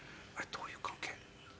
どういう関係？